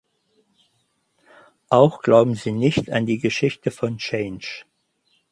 Auch glauben sie nicht an die Geschichte von Chang’e.